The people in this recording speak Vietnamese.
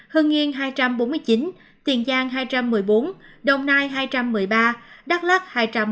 hai trăm sáu mươi ba hương yên hai trăm bốn mươi chín tiền giang hai trăm một mươi bốn đồng nai hai trăm một mươi ba đắk lắc